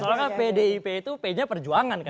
soalnya pdip itu p nya perjuangan kan